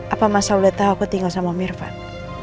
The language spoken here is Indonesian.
apa masalah udah tau aku tinggal sama om irfan